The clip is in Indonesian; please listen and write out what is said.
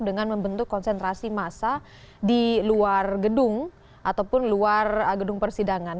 dengan membentuk konsentrasi massa di luar gedung ataupun luar gedung persidangan